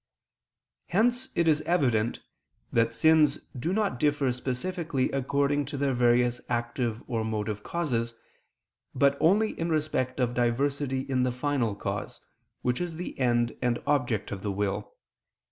Hence it is evident that sins do not differ specifically according to their various active or motive causes, but only in respect of diversity in the final cause, which is the end and object of the will.